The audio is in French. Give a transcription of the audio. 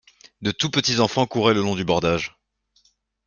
De tous petits enfants couraient le long du bordage.